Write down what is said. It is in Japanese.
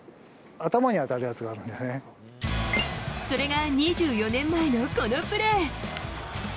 それが２４年前の、このプレー。